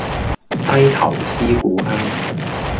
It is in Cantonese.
低頭思故鄉